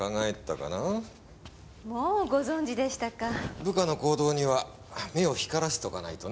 部下の行動には目を光らせておかないとね。